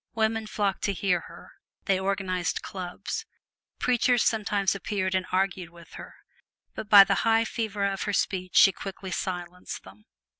Women flocked to hear her, they organized clubs. Preachers sometimes appeared and argued with her, but by the high fervor of her speech she quickly silenced them.